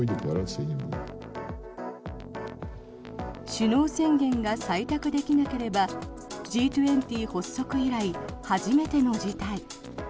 首脳宣言が採択できなければＧ２０発足以来初めての事態。